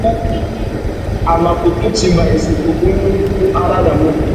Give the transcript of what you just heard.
A mà kutu timba issutu unú nù aranamú.